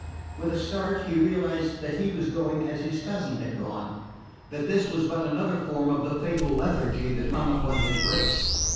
With a start he realised that he was going as his cousin had gone that this was but another form of the fatal lethargy that hung upon his race.